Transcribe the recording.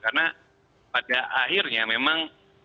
karena pada akhirnya memang